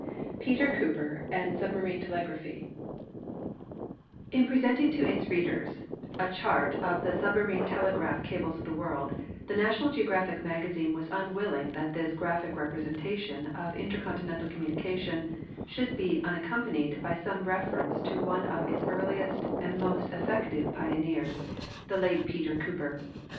PETER COOPER AND SUBMARINE TELEGRAPHY In presenting to its readers a chart of the submarine telegraph cables of the world, Tuk National Gioographic iNlAGAzrxn was unwilling that this graphic representation of intercontinental communication should be unaccompanied by some reference to one of its earliest and most effective pioneers, the late Peter Cooper.